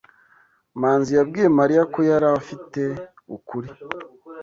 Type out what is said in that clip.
Manzi yabwiye Mariya ko yari afite ukuri.